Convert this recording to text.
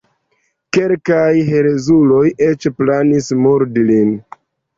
Kelkaj herezuloj eĉ planis murdi lin.